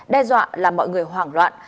đe dọa làm mọi người hoảng loạn